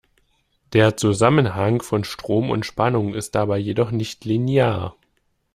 Der Zusammenhang von Strom und Spannung ist dabei jedoch nicht linear.